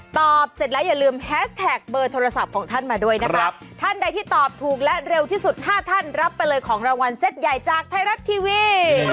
ตอบเสร็จแล้วอย่าลืมแฮสแท็กเบอร์โทรศัพท์ของท่านมาด้วยนะครับท่านใดที่ตอบถูกและเร็วที่สุด๕ท่านรับไปเลยของรางวัลเซ็ตใหญ่จากไทยรัฐทีวี